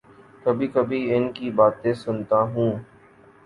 کبھی کبھی ان کی باتیں سنتا ہوں۔